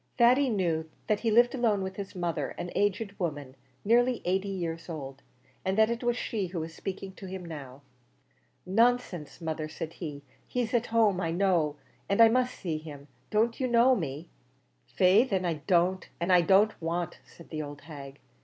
Thady knew that he lived alone with his mother, an aged woman, nearly eighty years old, and that it was she who was speaking to him now. "Nonsense, mother," said he; "he's at home I know, and I must see him. Don't you know me?" "Faix, then, I don't and I don't want," said the old hag.